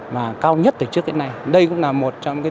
và cao nhất từ trước đến nay